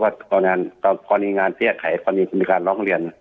ว่าตอนงานตอนกว่านี้งานเสียไขตอนนี้คุณพิการร้องเรียน